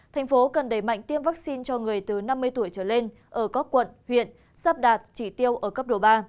thành phố cần đẩy mạnh tiêm vaccine cho người từ năm mươi tuổi trở lên ở các quận huyện sắp đạt chỉ tiêu ở cấp độ ba